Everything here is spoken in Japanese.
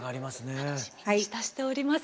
楽しみにいたしております。